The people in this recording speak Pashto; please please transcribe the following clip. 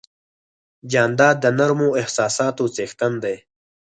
جانداد د نرمو احساساتو څښتن دی.